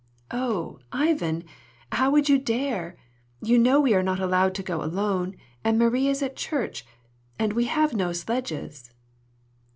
"Oh, Ivan, how would you dare? You know we are not allowed to go alone, and Marie is at church, and we have no sledges."